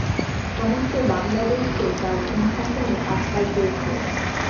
সমস্ত বাঙলা দেশ তো তাঁর অনুশাসনেই আজকাল চলছে।